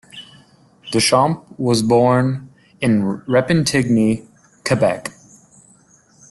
Deschamps was born in Repentigny, Quebec.